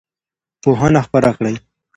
پوهنه خپره کړه.